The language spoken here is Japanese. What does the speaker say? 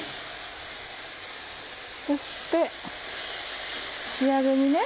そして仕上げにね